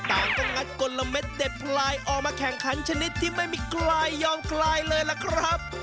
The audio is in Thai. ต่างก็งัดกลมเด็ดพลายออกมาแข่งขันชนิดที่ไม่มีใครยอมคลายเลยล่ะครับ